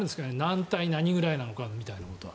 何対何ぐらいなのかみたいなことは。